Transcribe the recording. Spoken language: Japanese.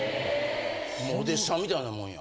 もうお弟子さんみたいなもんや。